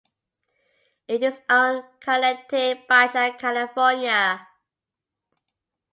It is owned Caliente Baja California.